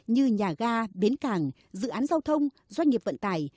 như nhà ga bến cảng dự án giao thông doanh nghiệp vận tải